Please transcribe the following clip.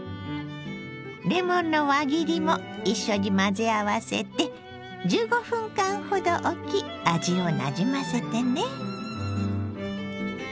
レモンの輪切りも一緒に混ぜ合わせて１５分間ほどおき味をなじませてね。